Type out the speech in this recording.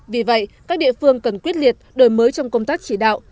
vì vậy các địa phương cần quyết liệt đổi mới trong công tác chỉ đạo